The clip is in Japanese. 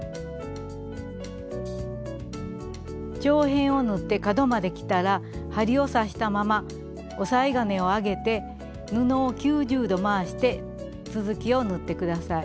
長辺を縫って角まで来たら針を刺したまま押さえ金を上げて布を９０度回して続きを縫って下さい。